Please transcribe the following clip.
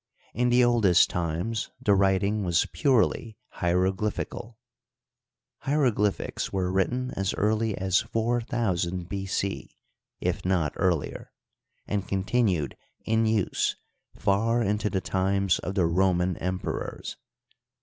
In the oldest times the writing was purely hieroglyphical. Hiero glyphics were written as early as 4000 B. C, if not earlier, and continued in use far into the times of the Roman em perors.